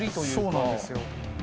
そうなんですよ。